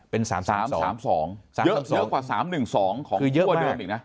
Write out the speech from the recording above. เป็น๓๓๒กว่า๓๑๒ของคั่วเดิมอีกนะ